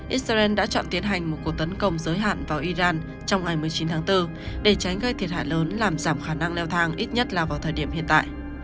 israel đã chọn tiến hành một cuộc tấn công giới hạn vào iran trong ngày một mươi chín tháng bốn để tránh gây thiệt hại lớn làm giảm khả năng leo thang ít nhất là vào thời điểm hiện tại